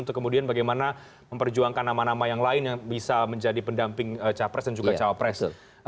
untuk kemudian bagaimana memperjuangkan nama nama yang lain yang bisa menjadi pendamping capres dan juga cawapres